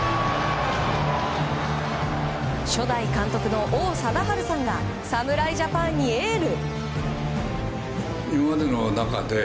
初代監督の王貞治さんが侍ジャパンにエール。